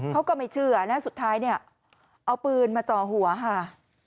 เขาก็ไม่เชื่อนะสุดท้ายเนี่ยเอาปืนมาจ่อหัวค่ะ